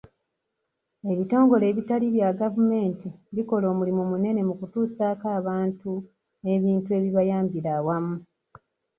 Ebitongole ebitali bya gavumenti bikola omulimu munene mu kutuusako abantu ebintu ebibayambira awamu.